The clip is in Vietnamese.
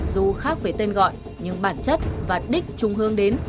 dù khác với tên gọi nhưng bản chất và đích trung hương đến